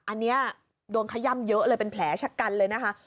อันนี้โดนขย่ำเยอะเลยเป็นแผลชะกันเลยนะคะ